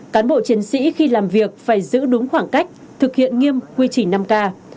cán bộ chiến sĩ khi làm việc phải giữ đúng khoảng cách thực hiện nghiêm quy trình năm k